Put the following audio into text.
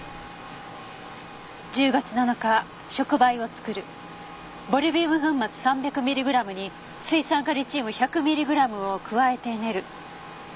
「１０月７日触媒を作る」「ボリビウム粉末３００ミリグラムに水酸化リチウム１００ミリグラムを加えて練る」